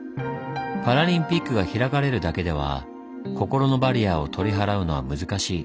パラリンピックが開かれるだけでは心のバリアーを取り払うのは難しい。